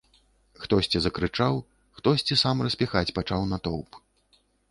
Хтосьці закрычаў, хтосьці сам распіхаць пачаў натоўп.